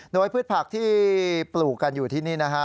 โดยพืชผักที่ปลูกกันอยู่ที่นี่นะฮะ